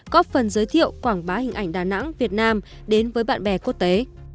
có phần giới thiệu quảng bá hình ảnh đà nẵng việt nam đến với bạn bè quốc tế